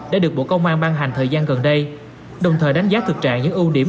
đã được bộ công an ban hành thời gian gần đây đồng thời đánh giá thực trạng những ưu điểm